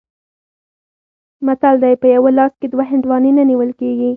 متل دی: په یوه لاس کې دوه هندواڼې نه نیول کېږي.